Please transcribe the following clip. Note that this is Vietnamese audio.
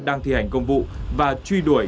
đang thi hành công vụ và truy đuổi